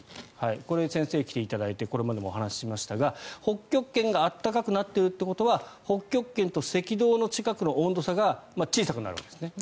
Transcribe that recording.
これ、先生に来ていただいてこれまでも話しましたが北極圏が暖かくなっているということは北極圏と赤道の近くの温度差が小さくなるんですよね。